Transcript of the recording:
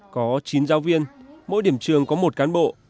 có chín giáo viên mỗi điểm trường có một cán bộ